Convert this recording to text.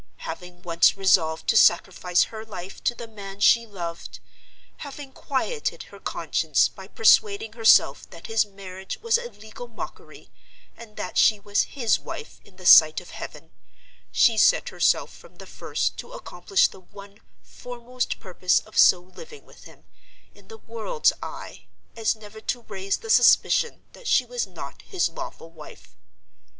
Having once resolved to sacrifice her life to the man she loved; having quieted her conscience by persuading herself that his marriage was a legal mockery, and that she was 'his wife in the sight of Heaven,' she set herself from the first to accomplish the one foremost purpose of so living with him, in the world's eye, as never to raise the suspicion that she was not his lawful wife.